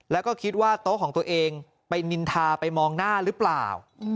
แล้วก็คิดว่าโต๊ะของตัวเองไปนินทาไปมองหน้าหรือเปล่า